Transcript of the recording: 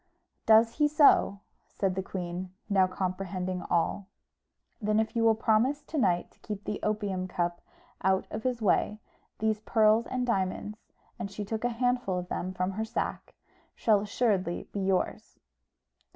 "Does he so?" said the queen, now comprehending all. "Then if you will promise to night to keep the opium cup out of his way, these pearls and diamonds," and she took a handful of them from her sack, "shall assuredly be yours."